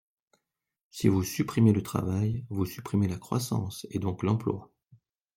Si vous supprimez le travail, vous supprimez la croissance, et donc l’emploi.